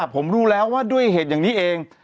ผมรู้แล้วว่าด้วยเหตุอย่างนี้เอง